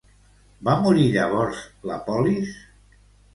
Va morir llavors la polis?